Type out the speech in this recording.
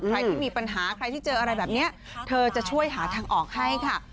ใครที่มีปัญหาใครที่เจออะไรแบบนี้เธอจะช่วยหาทางออกให้ค่ะ